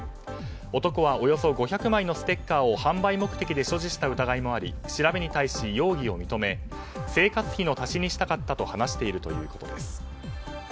男はおよそ５００枚のステッカーを販売目的で所持した疑いもあり調べに対し容疑を認め生活費の足しにしたかったと話しているということです。